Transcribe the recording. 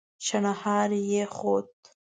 شڼهاری يې خوت.